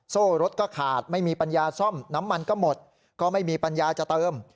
โซ่รถก็ขาดไม่มีปัญญาซ่อมน้ำมันก็หมดก็ไม่มีปัญญาจะเติม